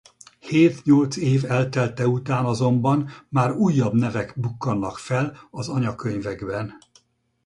Hét-nyolc év eltelte után azonban már újabb nevek bukkannak fel az anyakönyvekben.